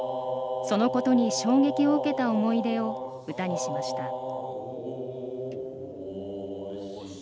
そのことに衝撃を受けた思い出を歌にしました。